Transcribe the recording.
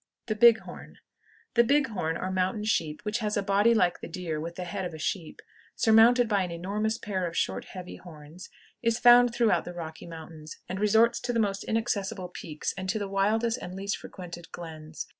THE BIG HORN. The big horn or mountain sheep, which has a body like the deer, with the head of a sheep, surmounted by an enormous pair of short, heavy horns, is found throughout the Rocky Mountains, and resorts to the most inaccessible peaks and to the wildest and least frequented glens.